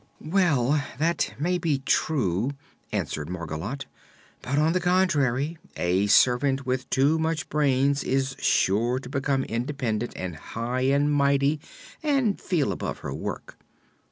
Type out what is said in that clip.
"Well, that may be true," agreed Margolotte; "but, on the contrary, a servant with too much brains is sure to become independent and high and mighty and feel above her work.